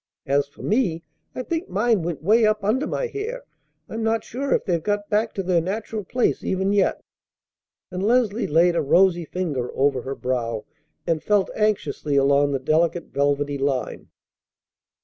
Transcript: As for me I think mine went way up under my hair. I'm not sure if they've got back to their natural place even yet!" And Leslie laid a rosy finger over her brow, and felt anxiously along the delicate velvety line.